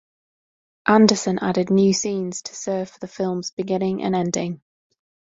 Anderson added new scenes to serve for the film's beginning and end.